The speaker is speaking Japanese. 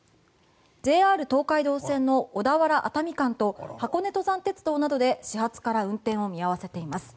ＪＲ東海道線の小田原熱海間と箱根登山鉄道などで始発から運転を見合わせています。